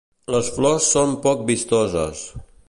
Les flors són poc vistoses.